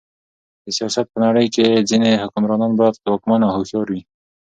د سیاست په نړۍ کښي ځيني حکمرانان باید ځواکمن او هوښیار يي.